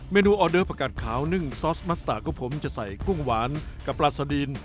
นูออเดอร์ผักกัดขาวนึ่งซอสมัสตาร์ก็ผมจะใส่กุ้งหวานกับปลาสดิน